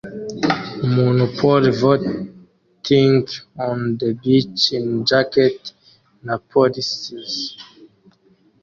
Umuntu pole-vaulting on the beach in jacket na policeis